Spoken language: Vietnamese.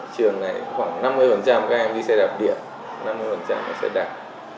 trường này khoảng năm mươi các em đi xe đạp điện năm mươi là xe đạp